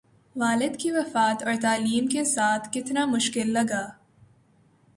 والد کی وفات اور تعلیم کے ساتھ کتنا مشکل لگا